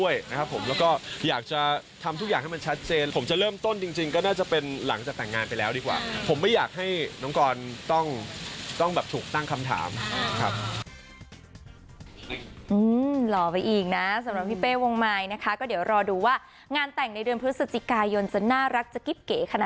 อยากจะทำทุกอย่างให้มันชัดเจนผมจะเริ่มต้นจริงก็น่าจะเป็นหลังจากแต่งงานไปแล้วดีกว่าผมไม่อยากให้น้องกรต้องต้องแบบถูกตั้งคำถามครับ